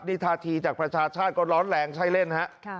นี่ท่าทีจากประชาชาติก็ร้อนแรงใช่เล่นฮะ